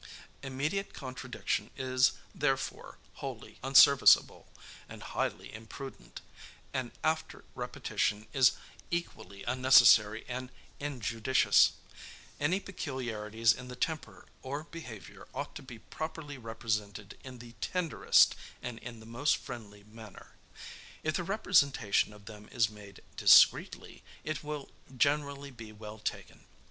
Immediate contradiction is, therefore, wholly unserviceable, and highly imprudent; an after repetition is equally unnecessary and injudicious. Any peculiarities in the temper or behavior ought to be properly represented in the tenderest and in the most friendly manner. If the representation of them is made discreetly, it will generally be well taken.